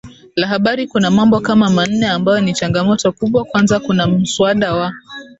la habari kuna mambo kama manne ambayo ni changamoto kubwa Kwanza kuna Muswada wa